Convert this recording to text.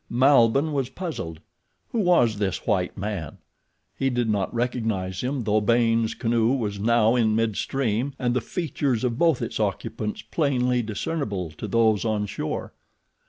Malbihn was puzzled. Who was this white man? He did not recognize him though Baynes' canoe was now in mid stream and the features of both its occupants plainly discernible to those on shore.